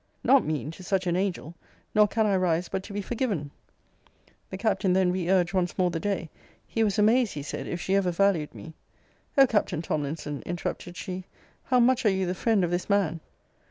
Not mean to such an angel! Nor can I rise but to be forgiven! The Captain then re urged once more the day he was amazed, he said, if she ever valued me O Captain Tomlinson, interrupted she, how much are you the friend of this man!